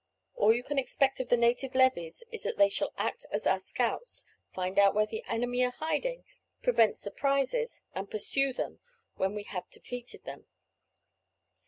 All you can expect of the native levies is that they shall act as our scouts, find out where the enemy are hiding, prevent surprises, and pursue them when we have defeated them."